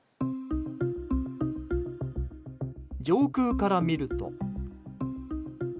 上空から見ると。